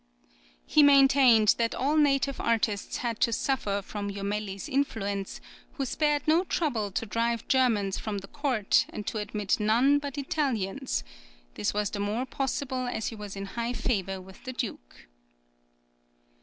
He maintained that all native artists had to suffer from Jomelli's influence, who spared no trouble to drive Germans from the court and to admit none but Italians; this was the more possible, as he was in high favour with the Duke.